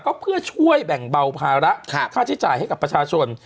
ก็เพื่อช่วยแบ่งเบาภาระค่าใช้จ่ายให้กับประชาชน